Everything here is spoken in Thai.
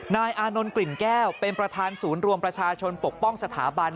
อานนท์กลิ่นแก้วเป็นประธานศูนย์รวมประชาชนปกป้องสถาบัน